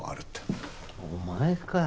お前かよ。